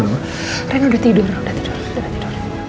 rina udah tidur udah tidur udah tidur